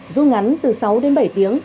dung ngắn từ sáu đến bảy tiếng